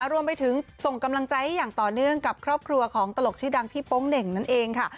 รวมไปถึงส่งกำลังใจให้อย่างต่อเนื่องกับครอบครัวของตลกชื่อดังพี่โป๊งเหน่งนั่นเองค่ะ